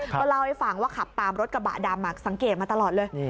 ก็เล่าให้ฟังว่าขับตามรถกระบะดำสังเกตมาตลอดเลย